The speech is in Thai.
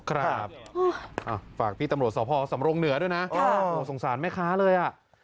ครับฝากพี่ตำรวจสพสำรงเหนือด้วยนะสงสารแม่ค้าเลยอ่ะ